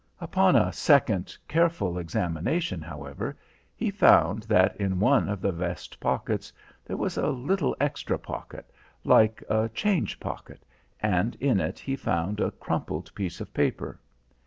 Upon a second careful examination, however, he found that in one of the vest pockets there was a little extra pocket, like a change pocket, and in it he found a crumpled piece of paper.